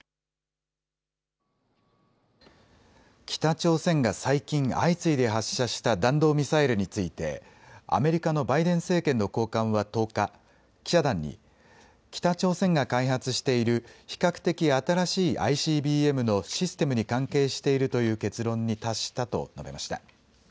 北朝鮮が最近、相次いで発射した弾道ミサイルについてアメリカのバイデン政権の高官は１０日、記者団に北朝鮮が開発している比較的新しいＩＣＢＭのシステムに関係しているという結論に達したと述べました。